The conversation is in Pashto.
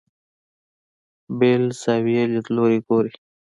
بېل زاویې لیدلوري ګوري.